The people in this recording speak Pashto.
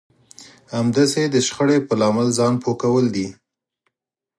همداسې د شخړې په لامل ځان پوه کول دي.